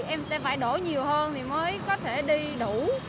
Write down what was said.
em sẽ phải đổ nhiều hơn